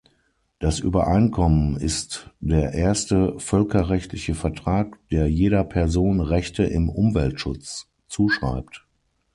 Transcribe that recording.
Das Übereinkommen ist der erste völkerrechtliche Vertrag, der jeder Person Rechte im Umweltschutz zuschreibt.